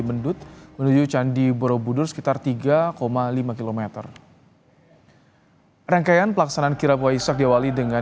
mendut menuju candi borobudur sekitar tiga lima km rangkaian pelaksanaan kirap waisak diawali dengan